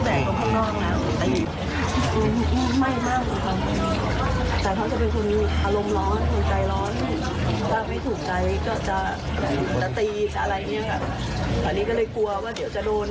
อันนี้ก็เลยกลัวว่าเดี๋ยวจะโดน